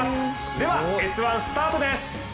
では「Ｓ☆１」スタートです。